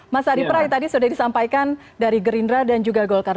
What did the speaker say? mas adi prai tadi sudah disampaikan dari gerindra dan juga golkar